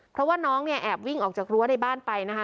เพราะว่าน้องเนี่ยแอบวิ่งออกจากรั้วในบ้านไปนะคะ